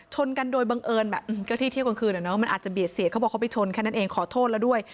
ชนกันโดยบังเอิญแบบเจ้าที่เที่ยวกลางคืนมันอาจจะเบียดเสียดเขาบอกเขาไปชนแค่นั้นเองขอโทษแล้วด้วย